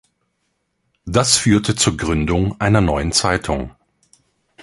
Das führte zur Gründung einer neuen Zeitung.